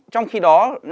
trong khi đó